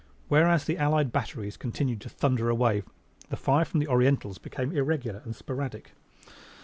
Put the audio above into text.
Whereas the allied batteries continued to thunder away, the fire from the Orientals became irregular and sporadic.